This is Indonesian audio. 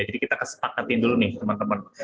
jadi kita kesepakatin dulu nih teman teman